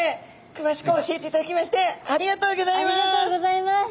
くわしく教えていただきましてありがとうギョざいます。